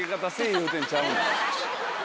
言うてんちゃうねん。